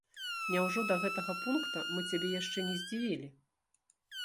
Няўжо да гэтага пункта мы цябе яшчэ не здзівілі?